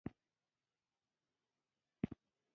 غوښتل په مکه شریفه کې وویني.